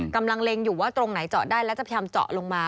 เล็งอยู่ว่าตรงไหนเจาะได้แล้วจะพยายามเจาะลงมา